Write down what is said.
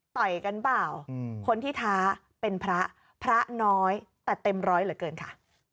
ต่อยกันเปล่าคนที่ท้าเป็นพระพระน้อยแต่เต็มร้อยเหลือเกินค่ะ